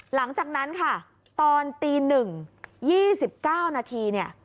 หลังจากนั้นตอนตี๑๒๙นาที